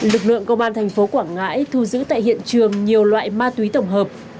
lực lượng công an tp quảng ngãi thu giữ tại hiện trường nhiều loại ma túy tổng hợp